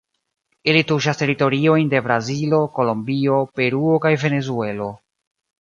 Ili tuŝas teritoriojn de Brazilo, Kolombio, Peruo kaj Venezuelo.